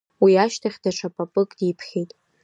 Уи ашьҭахь даҽа папык диԥхьеит.